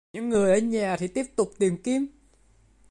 Những người ở nhà thì tiếp tục tìm kiếm